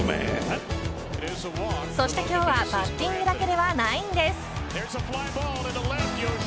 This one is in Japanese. そして今日はバッティングだけではないんです。